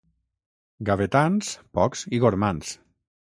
Gavetans, pocs i gormands.